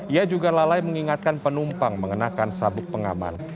ia juga lalai mengingatkan penumpang mengenakan sabuk pengaman